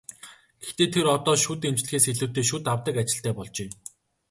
Гэхдээ тэр одоо шүд эмчлэхээс илүүтэй шүд авдаг ажилтай болжээ.